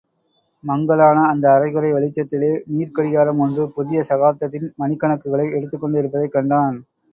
மங்கலான அந்த அரைகுறை வெளிச்சத்திலே, நீர்க் கடிகாரம் ஒன்று புதிய சகாப்தத்தின் மணிக் கணக்குகளை எடுத்துக் கொண்டிருப்பதைக் கண்டான்.